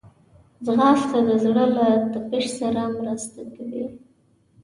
ځغاسته د زړه له تپش سره مرسته کوي